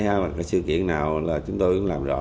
hay là cái sự kiện nào là chúng tôi cũng làm rõ